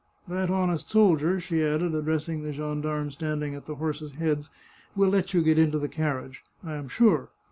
That honest soldier," she added, addressing the gendarme standing at the horses' heads, " will let you get into the carriage, I am sure